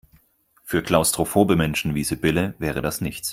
Für klaustrophobe Menschen wie Sibylle wäre das nichts.